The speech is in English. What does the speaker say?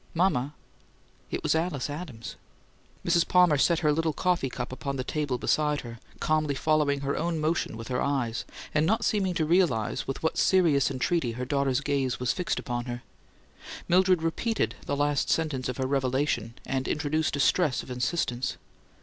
Mama it was Alice Adams." Mrs. Palmer set her little coffee cup upon the table beside her, calmly following her own motion with her eyes, and not seeming to realize with what serious entreaty her daughter's gaze was fixed upon her. Mildred repeated the last sentence of her revelation, and introduced a stress of insistence.